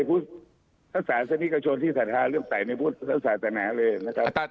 พุทธศาสนิกชนที่สาธาเรียกใส่ในพุทธสาธานาศิริ